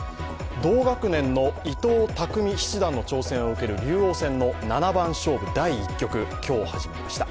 同学年の伊藤匠七段の挑戦を受ける竜王戦七番勝負第１局、今日始まりました。